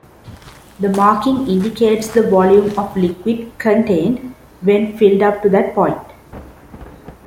The marking indicates the volume of liquid contained when filled up to that point.